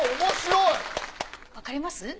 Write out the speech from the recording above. わかります？